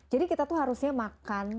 jadi kita tuh harusnya makan